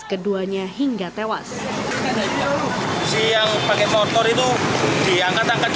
kedua korban bergerak ke jalan raya kedung coek surabaya akibat terlindas truk